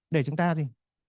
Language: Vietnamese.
để chúng ta gì